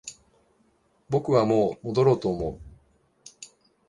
僕はもう戻ろうと思う